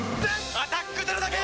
「アタックＺＥＲＯ」だけ！